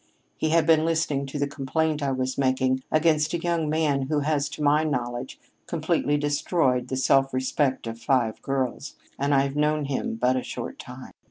He had been listening to the complaint I was making against a young man who has, to my knowledge, completely destroyed the self respect of five girls and I've known him but a short time.